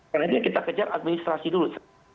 karena itu yang kita kejar administrasi dulu